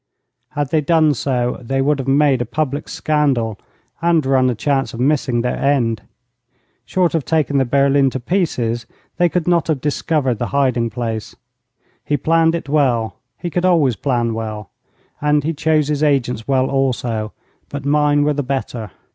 'Had they done so they would have made a public scandal, and run a chance of missing their end. Short of taking the berline to pieces, they could not have discovered the hiding place. He planned it well he could always plan well and he chose his agents well also. But mine were the better.'